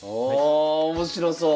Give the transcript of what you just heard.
あ面白そう。